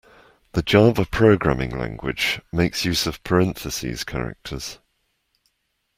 The Java programming language makes use of parentheses characters.